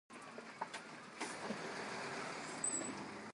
It can be made of nylon, wood, or plastic.